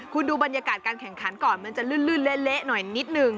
คุณดูบรรยากาศการแข่งขันก่อนมันจะลื่นเละหน่อยนิดนึง